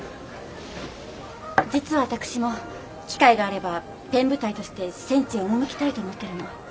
実は私も機会があればペン部隊として戦地へ赴きたいと思ってるの。